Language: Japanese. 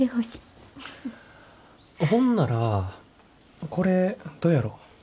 ほんならこれどやろ？